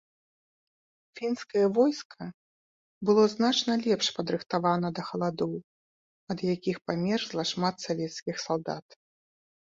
Фінскае войска было значна лепш падрыхтавана да халадоў, ад якіх памерзла шмат савецкіх салдат.